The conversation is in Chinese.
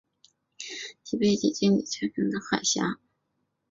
其北起荆棘岩礁间的海峡。